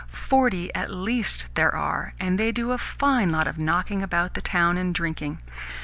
Forty at least there are, and they do a fine lot of knocking about the town and drinking.